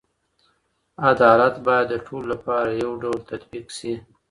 عدالت باید د ټولو لپاره یو ډول تطبیق سي.